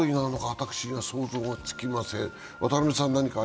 私には想像がつきません。